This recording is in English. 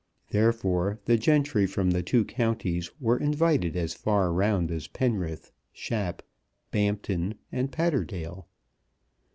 Therefore the gentry from the two counties were invited as far round as Penrith, Shap, Bampton, and Patterdale.